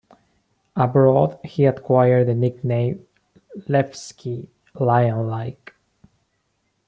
Abroad, he acquired the nickname "Levski", "Lionlike".